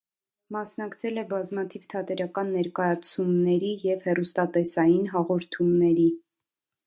Մասնակցել է բազմաթիվ թատերական ներկայացումների և հեռուստատեսային հաղորդումների։